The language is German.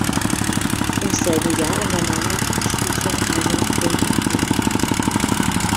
Im selben Jahr unternahm er eine Studienreise nach Bulgarien.